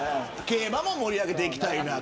競馬も盛り上げていきたいな。